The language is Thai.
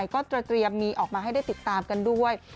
ก็เตรียมมีออกมาให้ได้ติดตามกันด้วย